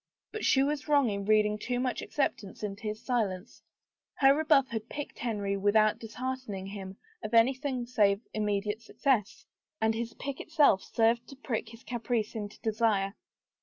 But she was wrong in reading too much acceptance into his silence. Her rebuff had piqued Henry without disheartening him of anything save immediate success. And his pique itself served to prick his caprice into desire.